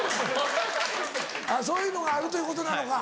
あっそういうのがあるということなのか。